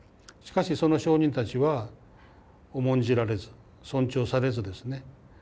しかしその証人たちは重んじられず尊重されずですね